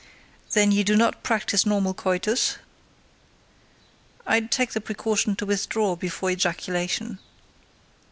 "Then you do not practice normal coitus?" "I take the precaution to withdraw before ejaculation."